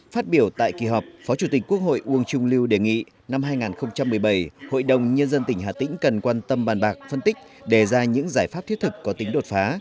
phát biểu tại kỳ họp phó chủ tịch quốc hội uông trung lưu đề nghị năm hai nghìn một mươi bảy hội đồng nhân dân tỉnh hà tĩnh cần quan tâm bàn bạc phân tích đề ra những giải pháp thiết thực có tính đột phá